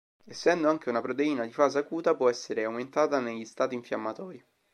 Essendo anche una proteina di fase acuta può essere aumentata negli stati infiammatori.